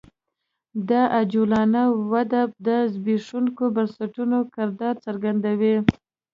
دا عجولانه وده د زبېښونکو بنسټونو کردار څرګندوي